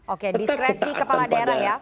oke diskresi kepala daerah ya